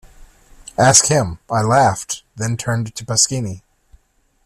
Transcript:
Ask him, I laughed, then turned to Pasquini.